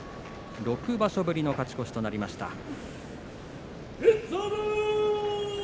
６場所ぶりの勝ち越しとなりました。